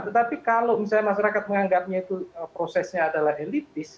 tetapi kalau masyarakat menganggap prosesnya elitis